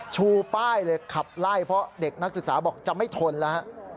ชูป้ายเลยขับไล่เพราะเด็กนักศึกษาบอกจะไม่ทนแล้ว